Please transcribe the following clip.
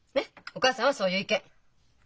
お母さんはそういう意見。